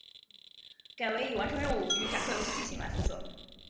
改为以完成任务与展开游戏剧情来负责。